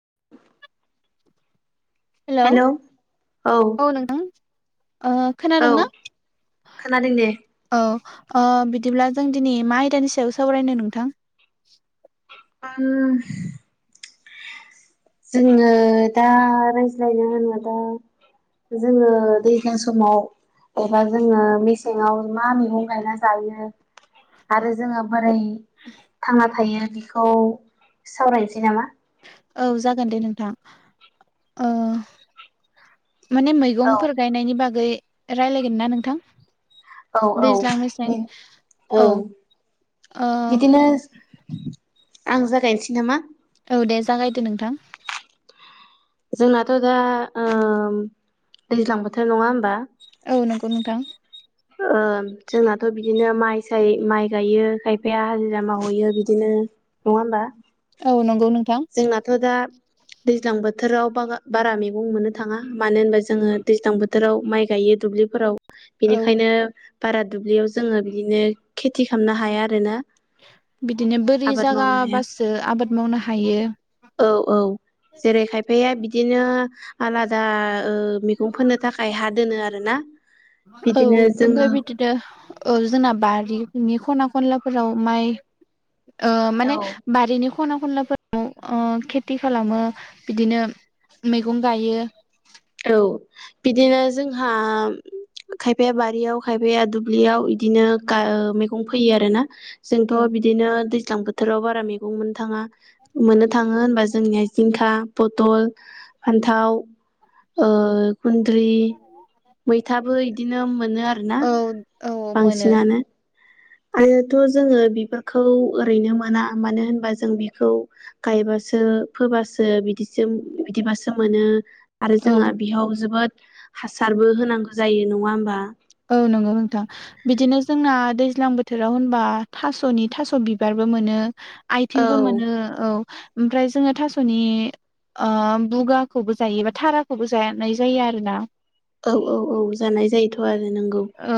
[inaudible] Hello औ नोंथां ओ औ खोनादों ना खोनादों दे औ ओ‌ बिदिब्ला जों दिनै मा आयदानि सायाव सावरायनो नोंथां [inaudible] जोङो दा रायज्लायनो होनो बा जोङो दैज्लां समाव एबा जोङो मेसेङाव मा मैगं गायना जायो आरो जोङो बोरै थांना थायो बेखौ सावरायनोसै नामा औ जागोन दे नोंथां ओ माने औ मैगंफोर गायनायनि बागै रायलायगोन ना नोंथां औ औ दैज्लां मेसें बे औ ओ बिदिनो आं जागायनोसै नामा औ दे जागायदो नोंथां जोंनाथ' दा ओ दैज्लां बोथोर नङा होमबा औ नंगौ नोंथां ओ‌जोंनाथ' बिदिनो माइ साइ माइ गायो खायफाया हाजिरा मावहैयो बिदिनो नङा होमबा औ नंगौ नों जोंनाथ' दा दैज्लां बोथोराव बारा मैगं मोननो थाङा मानो होनबा जोङो दैज्लां बोथोराव माइ गाय यो दुब्लिफोराव औ बेनिखायनो बारा दुब्लियाव जोङो बिदिनो खेथि खालामनो हाया आरोना बिदिनो बोरि आबाद मावनो हाया जागाबासो आबाद मावनो हायो औ औ जेरै खायफाया बिदिनो आलादा औ मैगं फोनो थाखाय हा दोनो आरोना औ बिदिनो जोङो ओमफ्राय बिदिनो औ जोंना बारिनि खना ख खनलाफोराव माइ ओ माने औ बारिनि ख खना खनलाफोराव ओ खेथि खालामो बिदिनो मैगं गायो‌। औ बिदिनो जोंहा खायफाया बारियाव खायफाया दुब्लियाव बिदिनो गा मैगं फोयो आरोना। जोंथ' औ बिदिनो दैज्लां बोथोराव बारा मैगं मोननो थाङा। मोननो थाङो होनबा जोंनिया जिंखा, पथल, फान्थाव ओ गुन्द्रि मैथाबो इदिनो मोनो आरोना। औ मोनो बांसिनानो आरोथ जोङो बिबारखौ ओरैनो मोना मानो होनबा जों बिखौ गायबा सो फोबासो बिदिसो बिदिबासो मोनो। आरो औ जोंहा बेयाव जोबोद हासारबो होनांगौ जायो नङा होमबा? औ नंगौ नोंथां बिदिनो जोंना दैज्लां बोथोराव होनबा थास'नि थास' बिबार बो मोनो आथिंबो औ मोनो औ मफ्राय जोङो थास'नि ओ बुगाखौबो जायोबा थाराखौबो जानाय जायो आरोना। औ औ औ जानाय जायोथ' आरो नोंगौ। औ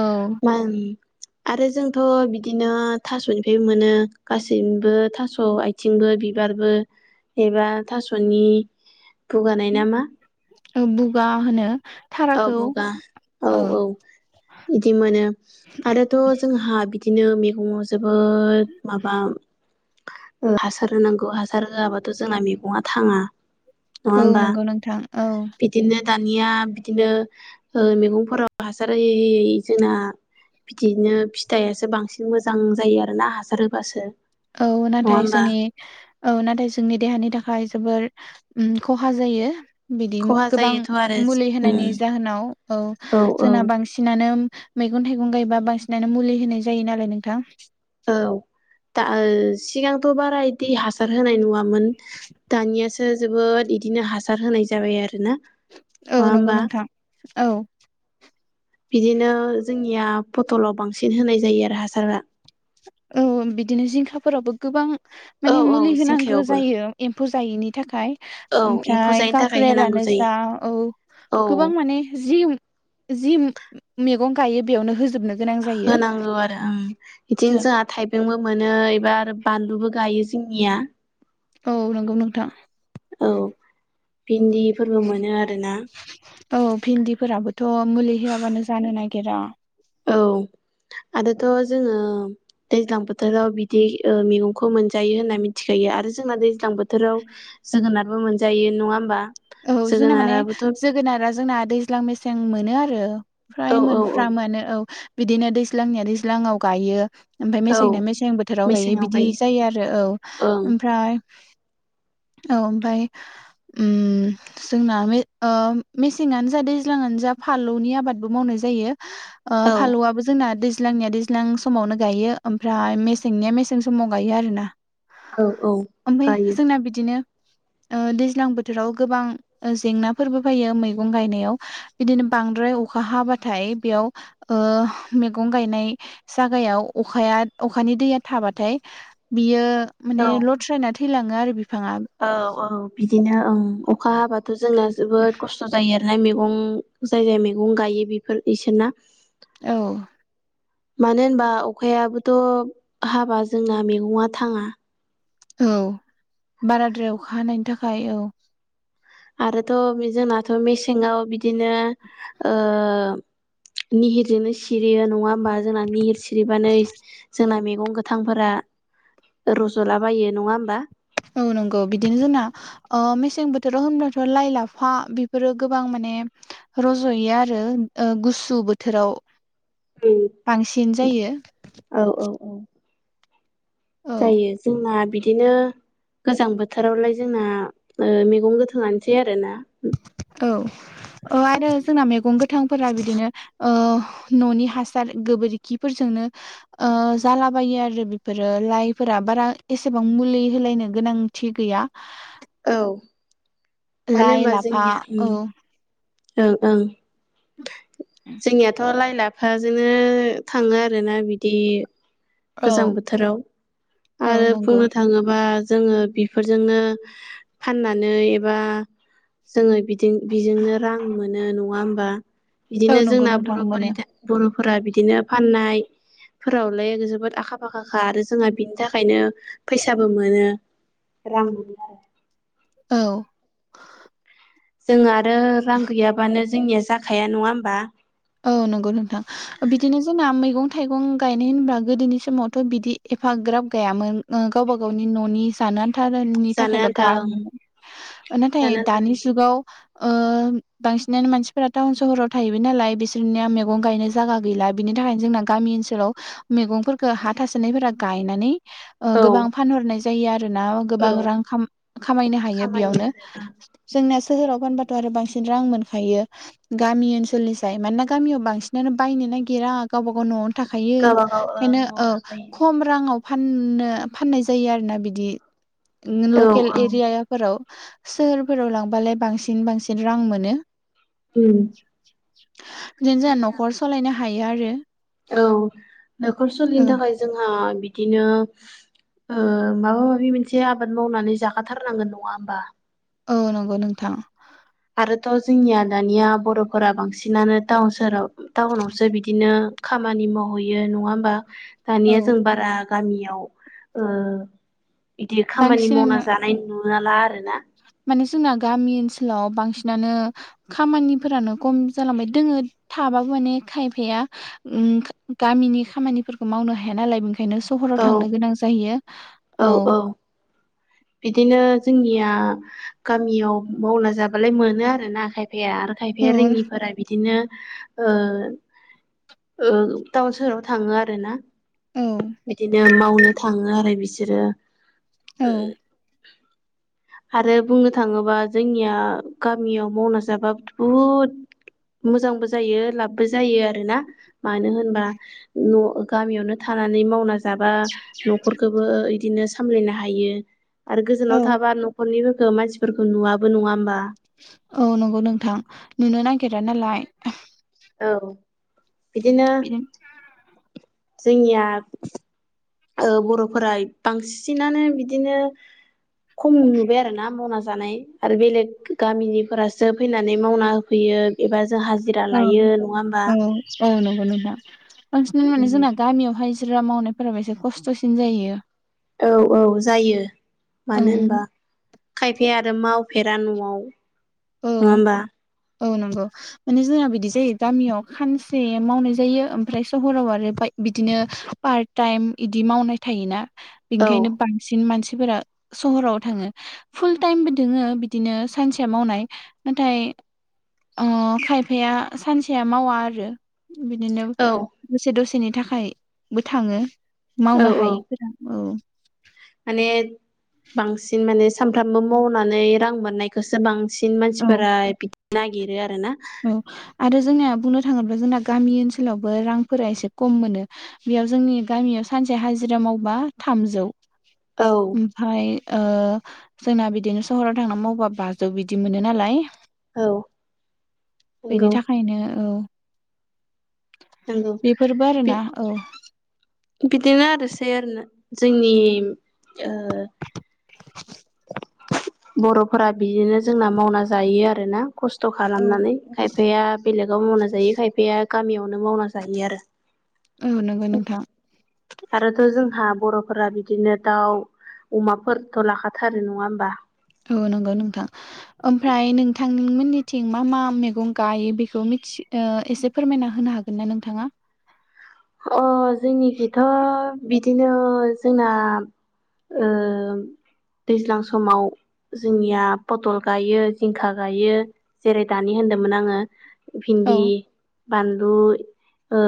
मा आरो जोंथ' बिदिनो थास'निफ्राय मोनो गासैबो थास' आथिंबो बिबारबो एबा थास'नि बुगानाय नामा बुगा होनो थारा औ बुगा औ औ बिदि मोनो आरोथ' जोंहा बिदिनो मैगङाव जोबोद माबा हासार होनांगौ हासार होआबाथ' जोंना मैगङा थाङा। नङा होमबा नंगौ नोंथां औ बिदिनो दानिया बिदिनो मैगंफोराव हासार होयै होयै जोंना बिदिनो फिथाइासो बांसिन मोजां जायो आरो ना हासार होबासो। औ नाथाय होमबा जोंनि औ नाथाय जोंनि देहानि था खाय जोबोर उम खहा जायो। बिदि खहा गोबां जायोथ' आरो मुलि होनायनि उम जाहोनाव औ जोंना बांसिनानो मैगं थाइगं गायबा बांसिनानो मुलि होनाय जायो नालाय नोंथां। औ दा सिगांथ' बारा इदि हासार होनाय नङा मोन दानियासो जोबोद इदिनो हासार होनाय जाबाय आरो ना। औ नंगौ नोंथां औ। बिदिनो जोंनिया फथलाव बांसिन होनाय जायो आरो हासारा। औ बिदिनो जिंखाफोरावबो गोबां औ माने औ मुलि होनांगौ जिंखायावबो जायो एम एम्फौ जायैनि थाखाय औ एम्फौ ओमफ्राय जायैनि थाखाय होनांगौ काक्रेलानो जायो जा ओ औ गोबां माने जि जि मैगं गायो बेयावनो हो होनांगौ आरो ओं। बिदिनो जोंहा थाइबेंबो मोनो एबा आरो बानलुबो गायो जोंनिया। औ नंगौ नोंथां। औ भिन्दिफोरबो मोनो आरोना। थ' मुलि होआबानो जानो नागिरा। औ आरोथ जोङो दैज्लां बोथोराव बिदि मैगंखौ मोनजायो होनना मिथिखायो। आरो जोंना दैज्लां बोथोराव जोगोनारबो मोनजायो नङा होमबा। औ जोंना माने जोगोनाराबोथ' जोगोनारा जोंना दैज्लां मेसें मोनो आरो। औ फ्राय औ औ मोनफ्रामोआनो औ बिदिनो दैज्लांनिया दैज्लाङआव गायो ओमफ्राय औ मेसें ना मेसें बोथोराव गायो बिदि जायो आरो औ ओं ओमफ्राय औ ओमफाय उम जोंना मेसेंआनो ओ जा दैज्लांआनो जा फालौनि आबादबो मावनाय जायो। औ फालौआबो जोंना दै ज्लांनिया दैज्लां समावनो गायो ओमफ्राय मेसेंनिया मेसें समाव गायो आरोना। औ औ ओमफफ्राय गायो जोंना बिदिनो दैज्लां बोथोराव। गोबां जेंनाफोरबो फैयो मैगं गायनायाव बिदिनो बांद्राय अखा हाबाथाय बेयाव। मैगं गायनाय जागायाव अखाया अखानि दैया थाबाथाय बियो माने औ लथ्रायना थैलाङो आरो बिफाङा औ औ बिदिनो ओं अखा हाबाथ' जोंना जोबोद खस्थ' जायो आरो। फ्राय मैगं जाय जाय मैगं गायो बेफोर बिसोरना। औ। मानो होनबा अखायाबोथ' हाबा जोंना मैगङा थाङा। औ बाराद्राय अखा हानायनि थाखाय औ। आरोथ' जोंनाथ' मेसेङाव बिदिनो ओ। निहिरजोंनो सिरियो नङा होमबा जोंना निहिर सिरिबानो जोंना मे- -गं गोथांफोरा रज'लाबायो नङा होमबा। औ नंगौ बिदिनो जोंना ओ मेसें बोथोराव होनब्लाथ' लाइ लाफा बेफोरो गोबां माने। रज'यो आरो गुसु बोथोराव बांसिन जायो। औ औ औ औ जायो जोंना बिदिनो। गोजां बोथोरावलाय जोंना मैगं गोथांआानोसै आरोना औ आरो जोंना मैगं। गोथांफोरा बिदिनो न'नि हासार गोबोरखिफोरजोंनो ओ जाला। बायो आरो बेफोरो लाइफोरा बारा एसेबां मुलि होलायनो गोनांथि गैया। औ मानो लाइ होनबा लाफा जोंनिया। औ ओं ओं जोंनियाथ' लाइ ला -फाजोंनो थाङो आरोना बिदि। औ गोजां बोथोराव औ आरो नंगौ बुंनो थाङोबा। जोङो बेफोरजोंनो फाननानै एबा जोङो। बेजोंनो रां मोनो नङा होनबा बिदिनो औ नंगौ जोंना नोंथां बर'फोरनि मोनो बर' फोरा बिदिनो फाननाय फोरावलाय जोबोद। आखा फाखाखा आरो जोंहा बिनि थाखायनो फैसाबो मोनो। रां औ। जों आरो रां गैयाबानो जोंनिया जाखाया नङा होमबा। औ नंगौ नोंथां बिदिनो जोंना मैगं थाइगं गायनाय होनबा गोदोनि समावथ' बिदि। एफाग्राब गायामोन गावबा गावनि न'नि जानो आनथा फोथारनि जानो थाखायल' आन्था गाय ओं नाथाय जानो आन्था दानि जुगाव। ओ बांसिनानो मानसिफोरा टाउन सहराव थाहैबाय नालाय बिसोर। बिसोरनिया मैगं गायनो जायगा गैला बिनि थाखायनो जोंना गामि ओनसोलाव मैगंफोरखौ हा थासोनायफोरा गायनानै। औ गोबां फानहरनाय जायो आरो। ना औ गोबां रां खामायनो हायो खामायो बेयावनो आरो ओं जोंना सोह -राव फानबाथ' आरो बांसिन रां मोनखायो गामि ओनोलनिस्राय मानोना। गामियाव बांसिनानो बायनो नागिरा गावबा गाव न'आवनो थाखायो गावबागाव ओं ओंखायनो न'आव औ लागायो खम राङाव फाननो फाननाय जायो आरोना बिदि औ लकेल औ एरियाफोराव। सोहोरफोराव लांबालाय बांसिन बांसिन रां मोनो। उम बिदिनो जोंहा जोंनिया न'खर सालायनो हायो आरो। औ न'खर सलिनो औ थाखाय जोंहा बिदिनो। ओ माबा माबि मोनसे आबाद मावनानै जाखाथारनांगोन नङा होमबा। औ नंगौ नोंथां। आरोथ' जोंनिया दानिया बर'फोरा बांसिनानो टाउन सोहोराव टाउनावसो बिदिनो। खामानि मावहैयो नङा होमबा औ दानिया जों बारा। गामियाव बिदि ओ खामानि मावना बांसिनानो जानाय नुवाला आरोना माने जोंना गामि ओनसोलाव बांसिनानो खामानिफोरानो खम जालांबाय दोङो। थाबाबो माने खायफाया गामिनि खामानिफोरखौ मावनो हाया नालाय। बे ओंखायनो सहराव औ थांनो गोनां जायो। औ औ बिदिनो जोंनिया गामियाव मावना जाबालाय मोनो आरोना खाय- -फाया आरो औ खायफाया रोङिफोरा बिदिनो ओ ओ टाउन सोहोराव थाङो आरो ना औ बिदिनो मावनो थाङो आरो बिसोरो औ आरो बुंनो थाङोबा जोंनिया गामियाव मावना जाब्लाबो बुहुद मोजांबो जायो लाबबो जायो आरोना मानो होनबा न' गामियावनो था नानै मावना जाबा न'खरखौबो इदिनो सामलायनो हायो आरो गोजानाव औ थाबा नख'रनिफोरखौ मानसिफोरखौ नुवाबो नङा होमबा? औ नंगौ नोंथां नुनो नागिरा नालाय। औ बिदिनो जोंनिया आरो बर'फोरा बांसिनानो बिदिनो खम नुबाय आरोना मावना जानाय आरो बेलेग गामिनिफोरासो फैनानै मावना होफैयो। [unintelligible] औ लायो नङा होमबा औ औ नंगौ नोंथां। बांसिनानो उम माने जोंना गामियाव हाजिरा मावनायफोराबा एसे खस्थ'सिन जायो। औ औ जायो मानो होनबा ओं खायफाया आरो मावफेरा न'आव नङा औ होमबा? औ नंगौ माने जोंहा बिदि जायो गामियाव खानसे मावनाय जायो। ओमफ्राय सहराव आरो बा बिदिनो पार्ट टाइम बिदि मावनाय थायोना औ बेनिखायनो बांसिन मानसि फोरा सहराव थाङो फुल टाइमबो दोङो बिदिनो सानसेया मावनाय नाथाय ओ खायफाया सानसेया मावा आरो। बिदिनो औ दसे दसेनि थाखायबो थाङो। औ मावनो औ हायैफोरा औ माने बांसिन माने सानफ्रामबो मावनानै रां मोननायखौसो बां सिन औ मानसिफोरा बिदिनो नागिरो। आरोना औ आरो जोंनिना बुंनो थाङोब्ला जोंना गामि ओनसोलावबो रांफोरा एसे खम मोनो बेयाव जोंनि गामियाव सा से हाजिरा मावबा थामजौ औ ओमफ्राय ओ जोंना बिदिनो सहराव थांना मावबा बाजौ बिदि मोनो नालाय औ नंगौ बेनि थाखायनो औ नंगौ बेफोरबो बि आरोना औ बिदिनो आरोसै आरोना जोंनि ओ [unintelligible] बर'फोरा बिदिनो जोंना मावना जायो आरो ना। खस्थ' खालामनानै खायफाया बेलेगाव मावना जायो खायफाया गामियावनो मावना जायो आरो। औ नंगौ नोंथां आरोथ' जोंहा बर'फोरा बिदिनो दाउ अमाफोरथ' लाखा थारो नङा होमबा? औ नंगौ नोंथां ओमफ्राय नोंथांमोननिथिं मा मा मैगं गायो बेखौ मिथि एसे फोरमायना होनो हागोन ना नोंथाङा? अ जोंनिखिथ' बिदिनो जोंना ओ दैज्लां समाव जोंनिया पथल गायो जिंखा गायो जेरै दानि होनदोंमोन आङो औ भिन्दि बानलु ओ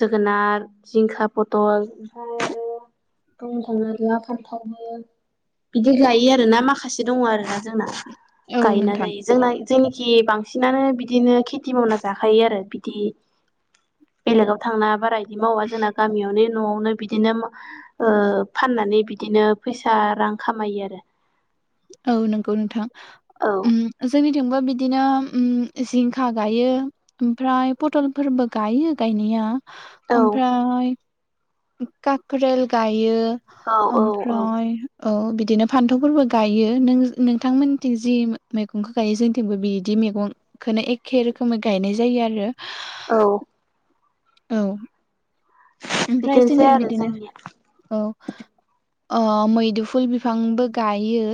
जोगोनार जिंखा फथल [unintelligible] फान्थावबो बिदि गायो आर ना माखासे दङ आरोना जोंना औ नोंथां गायनानै जोंनाय जेनिखि बांसिनानो बिदिनो खेथि मावना जाखायो आरो बिदि बेलेगाव थांना बारा इदि मावा जोंना गामियावनो न'आवनो बिदिनो फाननानै बिदिनो फैसा रां खामायो आरो औ नंगौ नोंथां आरो जोंनि थिंबो बिदिनो जिंखा गायो ओमफ्राय पटलफोरबो गायो गायनाया औ ओमफ्राय काक्रेल गायो औ औ औ ओमफ्राय औ बिदिनो फान्थावफोरबो गायो नोंथांमोनथिं जि मैगंखौ गायो जोंथिंबो बिदि मैगंखौनो एखे रोखोम रोखोमै गायनाय जायो आरो औ औ ओमफ्राय बिदिनोसै जोंनिया आरो बिदिनो जोंनिया औ मैदुफुल बिफांबो गायो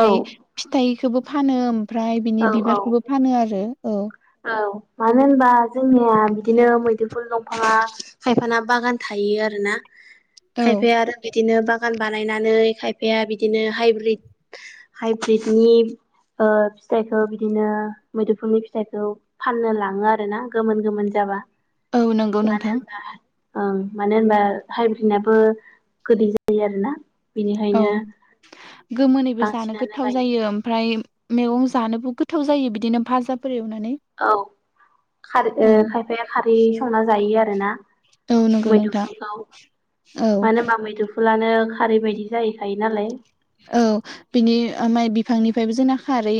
औ फिथाइ बेखौबो फानो ओमफ्राय बिनि औ औ बिबारखौबो फानो आरो औ औ मानो होनबा जोंनिया बिदिनो मैदुफुल दंफाङा खायफाना बागान थायो आरोना औ खायफाया आरो बिदिनो बागान बानायनानै खायफाया बिदिनो हाइब्रिद हाइब्रिदनि ओ फिथाइखौ बिदिनो मैदुफुनि फिथाइखौ फाननो लाङो आरो ना गोमोन गोमोन जाबा औ नंगौ मानो नोंथां होनबा ओं मानो होनबा हाइब्रिनाबो गोदै जायो आरोना औ बेनिखायनो गोमोनैबो जानो बांसिनानो गोथाव जायो गायो ओमफ्राय मैगं जानोबो गोथाव जायो बिदिनो भाजाफोर एवना औ खारै खायफाया खारै संना जायो आरोना औ नंगौ नोंथां मैदुफुलखौ औ मानो होनबा मैदु लानो खारै बायदि जाहैखायो नालाय औ बिनि माइ बिफांनिफ्रायबो जोंना खारै